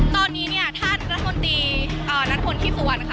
ตอนนี้เนี่ยท่านรัฐธนตรีนักศึกษาที่สุวรรค์ค่ะ